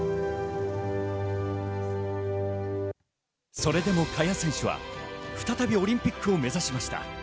それでも萱選手は再びオリンピックを目指しました。